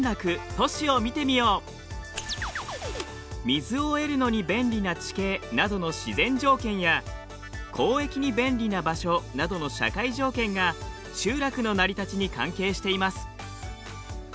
水を得るのに便利な地形などの自然条件や交易に便利な場所などの社会条件が集落の成り立ちに関係しています。